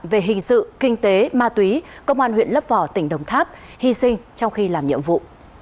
về hình sự kinh tế ma túy công an huyện lấp vò tỉnh đồng tháp hy sinh trong khi làm nhiệm vụ